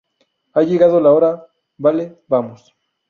ha llegado la hora. vale, vamos.